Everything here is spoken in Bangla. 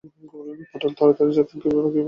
পটল তাড়াতাড়ি যতীনকে ডাকিয়া পাঠাইল।